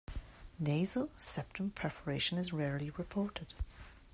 Nasal septum perforation is rarely reported.